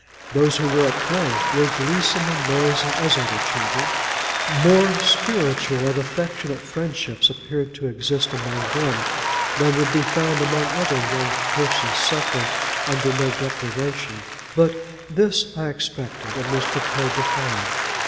Those who were at play, were gleesome and noisy as other children. More spiritual and affectionate friendships appeared to exist among them, than would be found among other young persons suffering under no deprivation; but this I expected and was prepared to find.